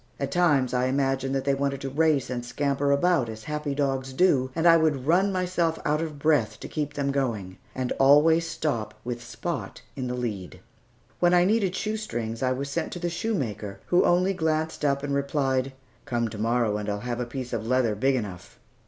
At times I imagined that they wanted to race and scamper about as happy dogs do, and I would run myself out of breath to keep them going, and always stop with Spot in the lead. When I needed shoestrings, I was sent to the shoemaker, who only glanced up and replied, "Come to morrow, and I'll have a piece of leather big enough."